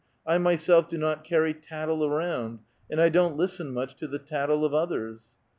"I myself do not carry tattle around, and I don't listen nmch to the tattle of others."